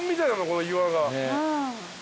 この岩が。